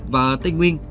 và tây nguyên